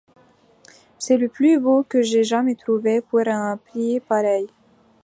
C’est le plus beau que j’aie jamais trouvé pour un prix pareil!